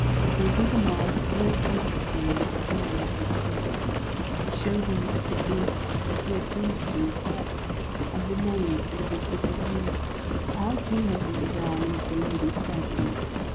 So Gugemar told over to him this story of his fate. He showed him of the Beast that he had wounded to his hurt; of the nave, and of his bitter wound; of how he came within the realm, and of the lady's surgery.